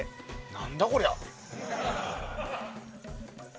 何だこりゃ。